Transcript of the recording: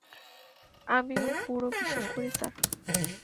আমিও পুরো বিশ্বাস করি, স্যার।